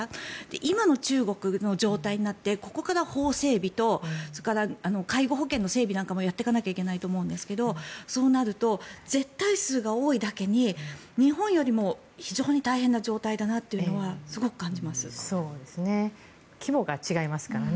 今の中国の状態になってここから法整備とそれから介護保険の整備なんかもやっていかなきゃいけないと思うんですがそうなると絶対数が多いだけに日本よりも非常に大変な状態だとは規模が違いますからね。